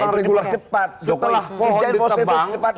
orang regulasi cepat setelah pohon ditebang